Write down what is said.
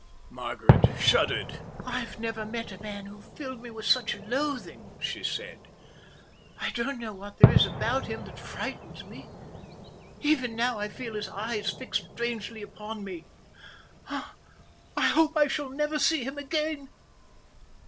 Margaret shuddered. "I've never met a man who filled me with such loathing," she said. "I don't know what there is about him that frightens me. Even now I feel his eyes fixed strangely upon me. I hope I shall never see him again."